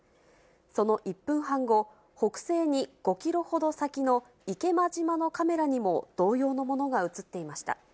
その１分半後、北西に５キロほど先の池間島のカメラにも同様のものが写っていました。